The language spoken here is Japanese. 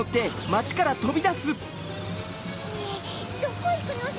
ねぇどこいくのさ？